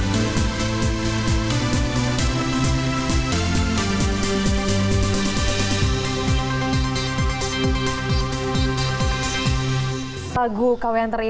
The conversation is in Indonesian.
setiap saat setiap waktu